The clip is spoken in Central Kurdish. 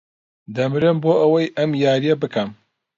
دەمرم بۆ ئەوەی ئەم یارییە بکەم.